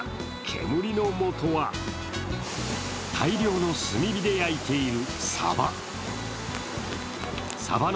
煙のもとは大量の炭火で焼いているさば。